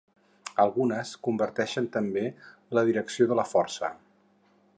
Algunes converteixen també la direcció de la força.